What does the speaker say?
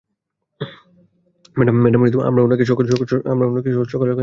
Madam, আমরা উনাকে সকাল সকাল এনেছিলাম।